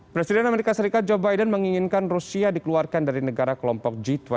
presiden amerika serikat joe biden menginginkan rusia dikeluarkan dari negara kelompok g dua puluh